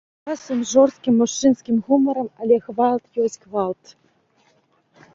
Часам з жорсткім мужчынскім гумарам, але гвалт ёсць гвалт.